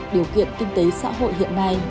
điều kiện kinh tế xã hội hiện nay